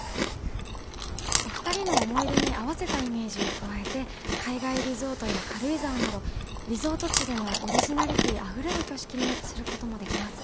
お二人の思い出に合わせたイメージを加えて海外リゾートや軽井沢などリゾート地でのオリジナリティーあふれる挙式にすることもできます。